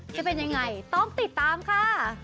จะเป็นยังไงต้องติดตามค่ะ